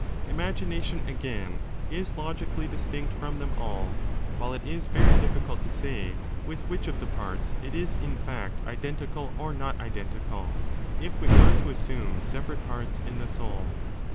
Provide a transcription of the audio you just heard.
Imagination, again, is 3 logically distinct from them all, while it is very difficult to say with which of the parts it is in fact identical or not identical, if we are to assume separate parts in the soul.